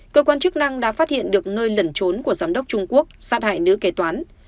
cơ quan chức năng đã phát hiện được nơi lẩn trốn của giám đốc trung quốc sát hại nữ kế toán